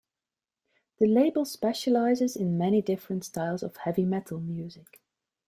The label specializes in many different styles of heavy metal music.